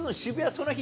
その日